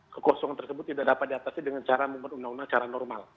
kekosongan tersebut tidak dapat diatasi dengan cara membuat undang undang secara normal